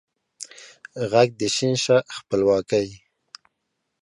ږغ د ې شین شه خپلواکۍ